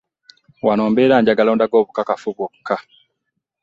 Wano mbeera njagala ondage bukakafu bwokka.